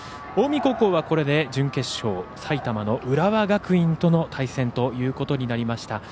近江高校はこれで準決勝、埼玉、浦和学院との対戦ということになりました。